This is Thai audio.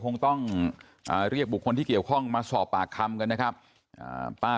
คงต้องเรียกบุคคลที่เกี่ยวข้องมาสอบปากคำกันนะครับป้า